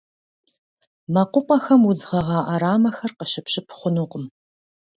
МэкъупӀэхэм удз гъэгъа Ӏэрамэхэр къыщыпщып хъунукъым.